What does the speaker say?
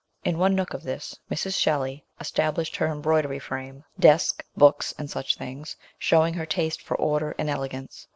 In one nook of this Mrs. Shelley established her embroidery frame, desk, books, and such things, showing her taste for order and elegance.